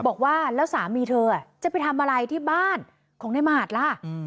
บอกว่าแล้วสามีเธอจะไปทำอะไรที่บ้านของในหมาดล่ะ